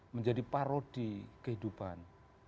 menjadi parodi kehidupan